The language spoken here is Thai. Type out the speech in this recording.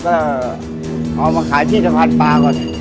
ก็เอามาขายที่สะพานปลาก่อน